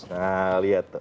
nah liat tuh